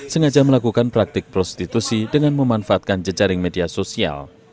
sengaja melakukan praktik prostitusi dengan memanfaatkan jejaring media sosial